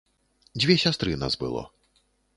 Дзве сястры нас было.